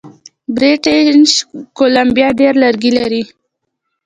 بریټیش کولمبیا ډیر لرګي لري.